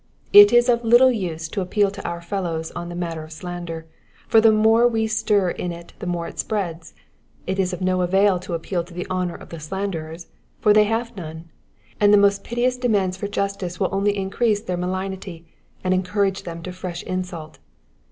It is of little use to appeal to our fellows on the matter of slander, for the more we stir in it the more it spreads ; it is of no avail to appeal to the honour of the slanderers, for they have nune, and the most piteous demands for justice will only increase their malignity and encourage them to fresh insult.